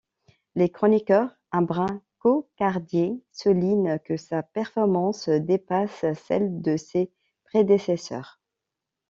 Les chroniqueurs, un brin cocardiers, soulignent que sa performance dépasse celle de ses prédécesseurs.